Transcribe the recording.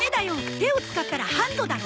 手を使ったらハンドだろ！